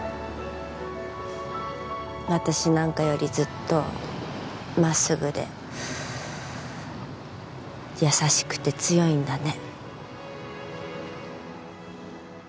私なんかよりずっと真っすぐで優しくて強いんだね。